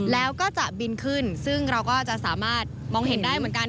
แล้วก็จะบินขึ้นซึ่งเราก็จะสามารถมองเห็นได้เหมือนกัน